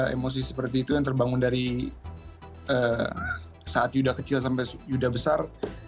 emosi seperti itu yang terbangun dari saat yuda kecil sampai yuda besar